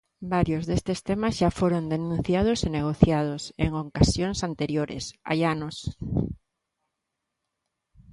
Varios destes temas xa foron denunciados e negociados en ocasións anteriores, hai anos.